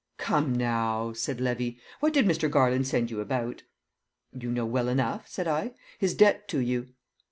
"Come now," said Levy. "What did Mr. Garland send you about?" "You know well enough," said I: "his debt to you."